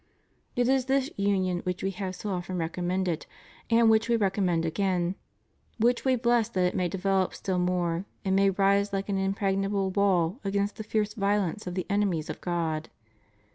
It is this union which We have so often recommended and which We recommend again, which We bless that it may develop still more and may rise like an impregnable wall against the fierce violence of the enemies of God.